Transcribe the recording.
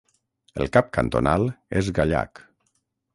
El cap cantonal és Galhac.